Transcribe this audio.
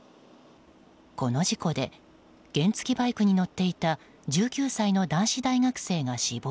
この事故で原付きバイクに乗っていた１９歳の男子大学生が死亡。